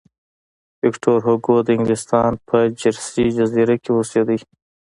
ویکتور هوګو د انګلستان په جرسي جزیره کې اوسېده.